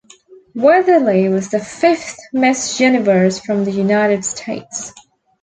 Weatherly was the fifth Miss Universe from the United States.